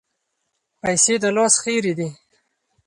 پیسې د لاس خیرې دي.